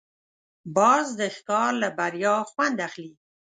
باز د ښکار له بریا خوند اخلي